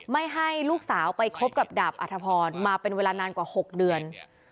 ไม่ให้ลูกสาวไปคบกับดาบอัธพรมาเป็นเวลานานกว่า๖เดือน